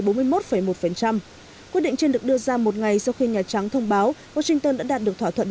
quyết định trên được đưa ra một ngày sau khi nhà trắng thông báo washington đã đạt được thỏa thuận